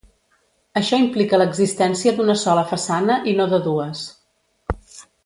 Això implica l'existència d'una sola façana i no de dues.